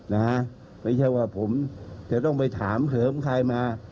นะฮะไม่ใช่ว่าผมจะต้องไปถามเหิมใครมา